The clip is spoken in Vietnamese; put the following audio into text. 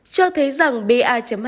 cho thấy rằng ba hai